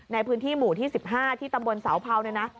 ในพื้นที่หมู่ที่๑๕ที่ตำบลเสาเผาเนี่ยนะ